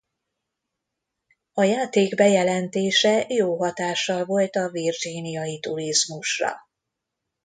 A játék bejelentése jó hatással volt a virginiai turizmusra.